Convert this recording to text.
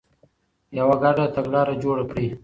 يوه ګډه تګلاره جوړه کړئ.